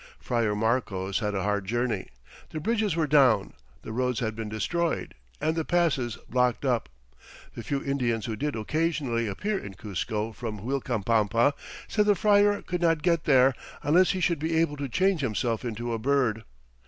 Friar Marcos had a hard journey. The bridges were down, the roads had been destroyed, and the passes blocked up. The few Indians who did occasionally appear in Cuzco from Uilcapampa said the friar could not get there "unless he should be able to change himself into a bird."